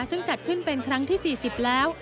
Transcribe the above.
ซึ่งจัดขึ้นเป็นครั้งที่๔๐แล้ว